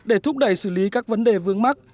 để thúc đẩy xử lý các vấn đề vướng mắt